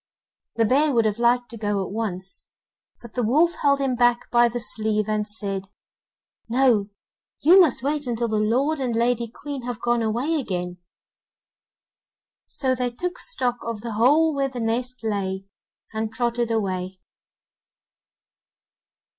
The bear would have liked to go at once, but the wolf held him back by the sleeve, and said: 'No, you must wait until the lord and lady Queen have gone away again.' So they took stock of the hole where the nest lay, and trotted away.